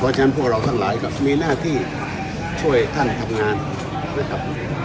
เพราะฉะนั้นพวกเราทั้งหลายก็มีหน้าที่ช่วยท่านทำงานนะครับ